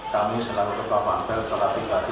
kami selalu berpengelas selalu berpengelas